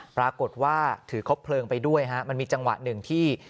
ปรากฏว่าถือครบเพลิงไปด้วยฮะมันมีจังหวะหนึ่งที่